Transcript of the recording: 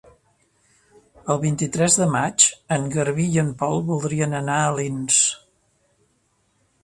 El vint-i-tres de maig en Garbí i en Pol voldrien anar a Alins.